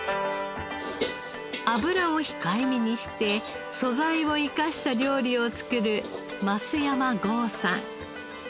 油を控えめにして素材を生かした料理を作る増山剛さん。